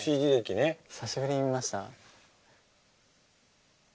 久しぶりに見ました。